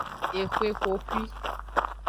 Exwe xoxwi.